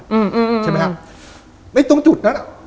ตรงจุดนั้นมันมีกระป๋องเบียวางเป็นเฟซ